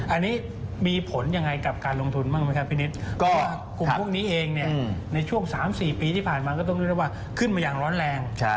อันนี้มีผลยังไงกับการลงทุนบ้างไหมครับพี่นิดก็กลุ่มพวกนี้เองเนี่ยในช่วง๓๔ปีที่ผ่านมาก็ต้องเรียกได้ว่าขึ้นมาอย่างร้อนแรง